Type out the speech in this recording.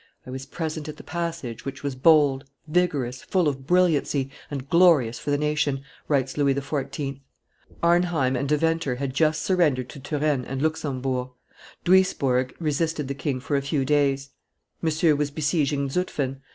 "I was present at the passage, which was bold, vigorous, full of brilliancy, and glorious for the nation," writes Louis XIV. Arnheim and Deventer had just surrendered to Turenne and Luxembourg; Duisbourg resisted the king for a few days; Monsieur was besieging Zutphen.